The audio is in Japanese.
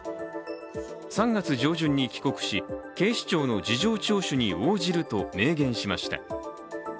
３月上旬に帰国し警視庁の事情聴取に応じると明言しました。